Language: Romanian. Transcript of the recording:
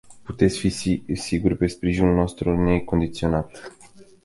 Puteți fi sigur de sprijinul nostru necondiționat.